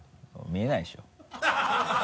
見えないでしょ？